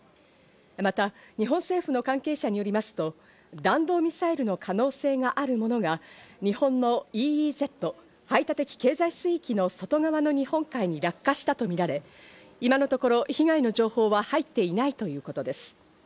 また、日本政府の関係者によりますと、弾道ミサイルの可能性があるものが日本のＥＥＺ＝排他的経済水域の外側の日本海に落下したとみられ、今のところ被害の情報は入っていないということです。